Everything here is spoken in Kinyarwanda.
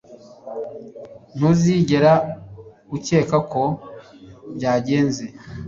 Ntuzigera ukeka uko byagenze